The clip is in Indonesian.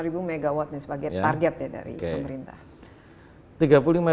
tiga puluh lima ribu megawatt sebagai target dari pemerintah